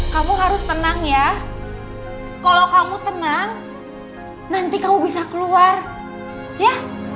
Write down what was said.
kamu harus tenang ya kalau kamu tenang nanti kamu bisa keluar ya